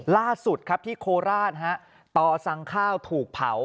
ล่าสุดครับที่โคราชต่อสั่งข้าวถูกเผา